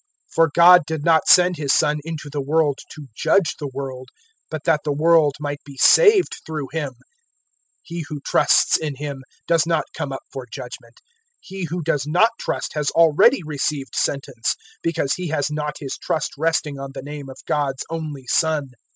003:017 For God did not send His Son into the world to judge the world, but that the world might be saved through Him. 003:018 He who trusts in Him does not come up for judgement. He who does not trust has already received sentence, because he has not his trust resting on the name of God's only Son.